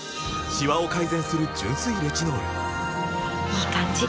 いい感じ！